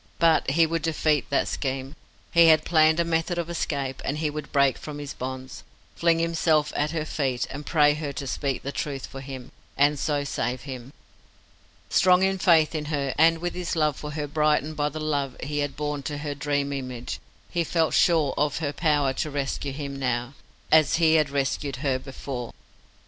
But he would defeat that scheme. He had planned a method of escape, and he would break from his bonds, fling himself at her feet, and pray her to speak the truth for him, and so save him. Strong in his faith in her, and with his love for her brightened by the love he had borne to her dream image, he felt sure of her power to rescue him now, as he had rescued her before.